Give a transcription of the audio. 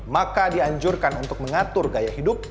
maka dianjurkan untuk mengatur gaya hidup